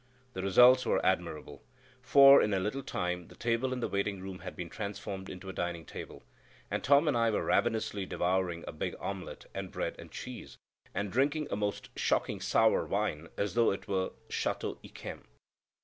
The results were admirable, for in a little time the table in the waiting room had been transformed into a dining table, and Tom and I were ravenously devouring a big omelette, and bread and cheese, and drinking a most shocking sour wine as though it were Château Yquem.